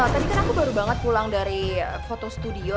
tadi kan aku baru banget pulang dari foto studio